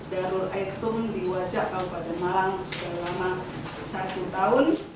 darur etum di wajah kabupaten malang selama satu tahun